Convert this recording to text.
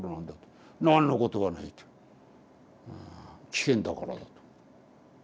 なんのことはないと危険だからだと。